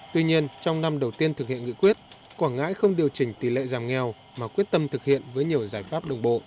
tuy nhiên trong năm đầu tiên thực hiện nghị quyết quảng ngãi không điều chỉnh tỷ lệ giảm nghèo mà quyết tâm thực hiện với nhiều giải pháp đồng bộ